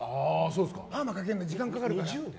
パーマかけるの時間かかるから。